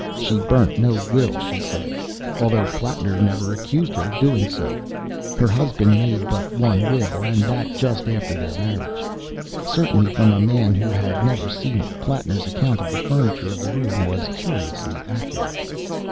She burnt no will, she says, although Plattner never accused her of doing so; her husband made but one will, and that just after their marriage. Certainly, from a man who had never seen it, Plattner's account of the furniture of the room was curiously accurate.